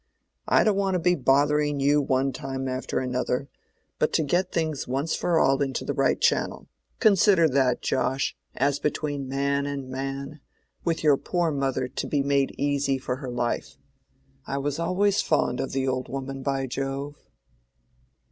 I don't want to be bothering you one time after another, but to get things once for all into the right channel. Consider that, Josh—as between man and man—and with your poor mother to be made easy for her life. I was always fond of the old woman, by Jove!"